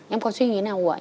em có suy nghĩ nào